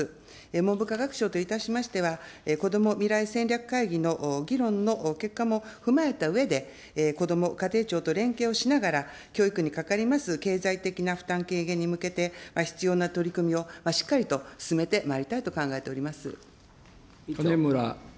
文部科学省といたしましては、こども未来戦略会議の議論の結果も踏まえたうえで、こども家庭庁と連携をしながら、教育にかかります経済的な負担軽減に向けて必要な取り組みをしっかりと進めてまいりたいと考えております。